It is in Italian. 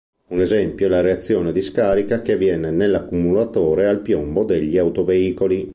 Un esempio è la reazione di scarica che avviene nell'accumulatore al piombo degli autoveicoli.